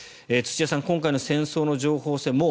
土屋さん、今回の戦争の情報戦